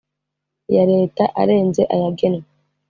ya leta arenze ayagenwe